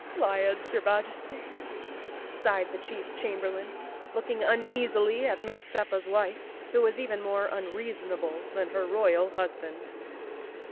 "Lions!" your Majesty, sighed the chief chamber¬ lain, looking uneasily at Mustafa's wife, who was even more unreasonable than her royal husband.